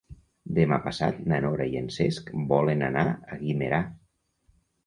Demà passat na Nora i en Cesc volen anar a Guimerà.